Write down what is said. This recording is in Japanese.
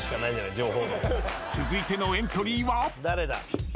［続いてのエントリーは］